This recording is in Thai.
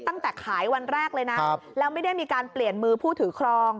ตั้งแต่ขายวันแรกเลยนะแล้วไม่ได้มีการเปลี่ยนมือผู้ถือครอง